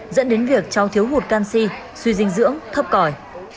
dẫn đến việc cháu thiếu hụt canxi suy dinh dưỡng thấp còi